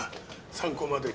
参考までに。